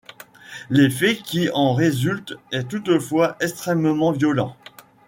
L'effet qui en résulte est toutefois extrêmement violent.